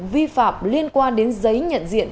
vi phạm liên quan đến giấy nhận diện